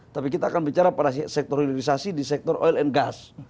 tapi kita akan bicara pada sektor hilirisasi di sektor oil and gas